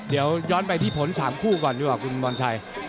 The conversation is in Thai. เดี๋ยวย้อนไปที่ผล๓คู่ก่อนดีกว่าคุณบอลชัย